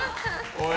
おい！